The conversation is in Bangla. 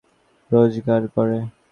এদের দেশের অনেক মেয়ে রোজগার করে।